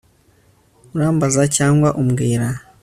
Urambaza cyangwa umbwira